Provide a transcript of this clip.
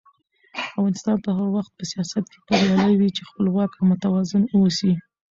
افغانستان به هغه وخت په سیاست کې بریالی وي چې خپلواک او متوازن واوسي.